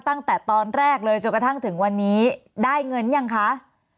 ตั้งแต่ตอนแรกเลยจนกระทั่งถึงวันนี้ได้เงินยังคะ